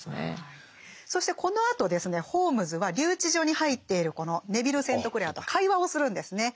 そしてこのあとですねホームズは留置所に入っているこのネヴィル・セントクレアと会話をするんですね。